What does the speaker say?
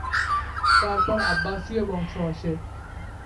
তার পর আব্বাসীয় বংশ আসে।